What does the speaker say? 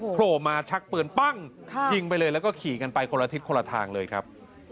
โผล่มาชักปืนปั้งยิงไปเลยแล้วก็ขี่กันไปคนละทิศคนละทางเลยครับ